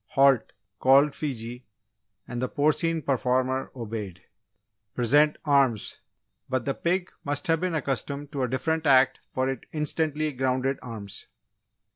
"Halt!" called Fiji, and the porcine performer obeyed. "Present arms!" but the pig must have been accustomed to a different act for it instantly grounded arms.